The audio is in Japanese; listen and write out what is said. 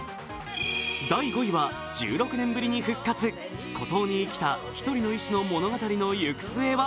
第５位は１６年ぶりに復活、孤島に生きた一人の医師の物語の行く末は？